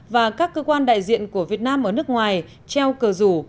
và các cơ quan đại diện của việt nam ở nước ngoài treo cờ rủ